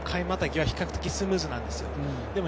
またぎは比較的スムーズなんですよ。